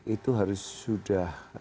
itu harus sudah